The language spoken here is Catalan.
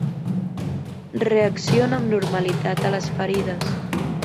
Reacciona amb normalitat a les ferides.